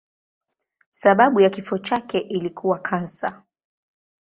Sababu ya kifo chake ilikuwa kansa.